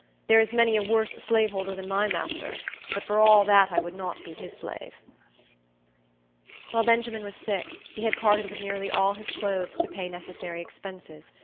There is many a worse slaveholder than my master; but for all that I would not be his slave." While Benjamin was sick, he had parted with nearly all his clothes to pay necessary expenses.